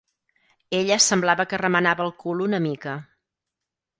Ella semblava que remenava el cul una mica.